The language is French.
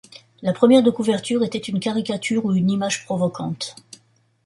La première de couverture était une caricature ou une image provocante.